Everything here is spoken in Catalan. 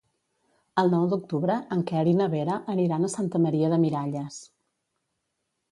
El nou d'octubre en Quer i na Vera aniran a Santa Maria de Miralles.